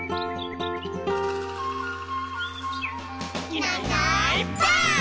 「いないいないばあっ！」